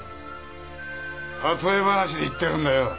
例え話で言ってるんだよ